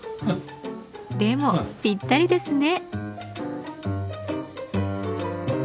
でもぴったりですね。